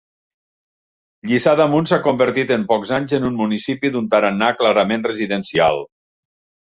Lliçà d'Amunt s'ha convertit en pocs anys en un municipi d'un tarannà clarament residencial.